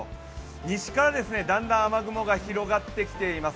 西からだんだん雨雲が広がってきています。